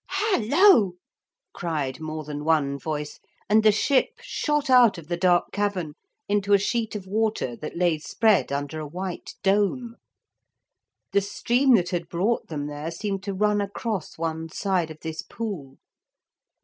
'Hullo!' cried more than one voice, and the ship shot out of the dark cavern into a sheet of water that lay spread under a white dome. The stream that had brought them there seemed to run across one side of this pool.